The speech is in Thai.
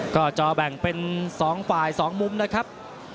ก็จอแบ่งเป็น๒ฝ่าย๒มุมนะครับ